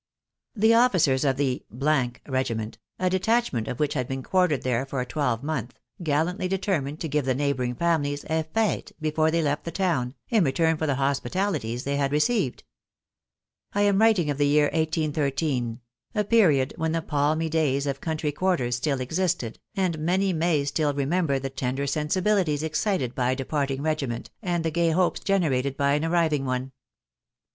The officers of the regiment, a detachment of which had been quartered there for a twelvemonth, gallantly deter mined to give the neighbouring families a fete before they left the town, in return for the hospitalities they had received. I am writing of the year 1813 — a period when the palmy days of country quarters still existed, and many may still remember the tender sensibilities excited by a departing regiment, and the gay hopes generated %y an arriving one.